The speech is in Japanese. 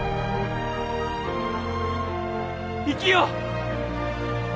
生きよう！